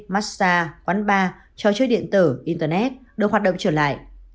massage quán bar trò chơi điện tử internet được hoạt động trở lại